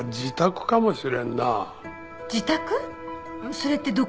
それってどこ？